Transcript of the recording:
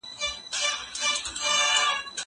زه به سبا د کتابتوننۍ سره مرسته کوم!